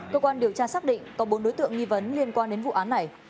cơ quan điều tra xác định có bốn đối tượng nghi vấn liên quan đến vụ án này